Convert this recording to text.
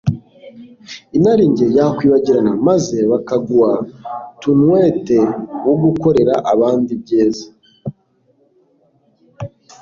Inarijye yakwibagirana maze bakagu-a tunwete wo gukorera abandi ibyiza.